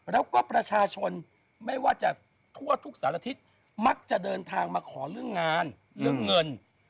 แล้วก็ประชาชนไม่ว่าจะทั่วทุกสารทิศมักจะเดินทางมาขอเรื่องงานเรื่องเงิน